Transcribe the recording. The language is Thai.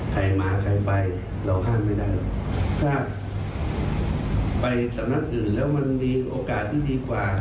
ถ้าไปสำนักอื่นแล้วมันมีโอกาสที่ดีกว่า